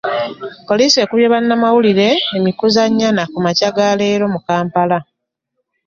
Poliisi ekubye bannamawulire emikuza nnyana ku makya ga leero mu Kampala.